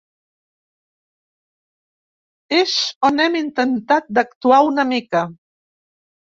És on hem intentat d’actuar una mica.